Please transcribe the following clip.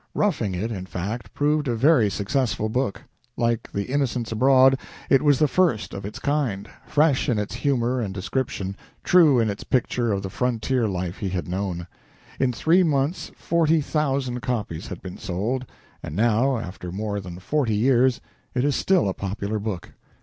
"Roughing It," in fact, proved a very successful book. Like "The Innocents Abroad," it was the first of its kind, fresh in its humor and description, true in its picture of the frontier life he had known. In three months forty thousand copies had been sold, and now, after more than forty years, it is still a popular book.